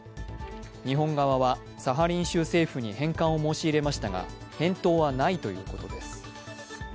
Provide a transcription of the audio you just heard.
日本側はサハリン州政府に返還を申し入れましたが返答はないということです。